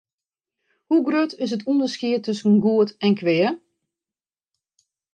Hoe grut is it ûnderskied tusken goed en kwea?